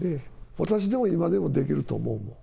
私でも、今でもできると思うもん。